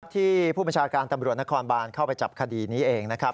ที่ผู้บัญชาการตำรวจนครบานเข้าไปจับคดีนี้เองนะครับ